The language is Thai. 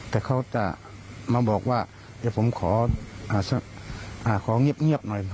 แต่เขาจะมาบอกว่าเดี๋ยวผมขอเงียบหน่อย